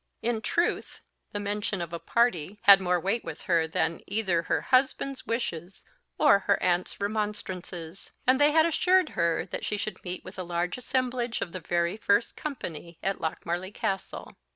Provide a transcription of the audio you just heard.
In truth, the mention of a party had more weight with her than either her husband's wishes or her aunts' remonstrances; and they had assured her that she should meet with a large assemblage of the very first company at Lochmarlie Castle.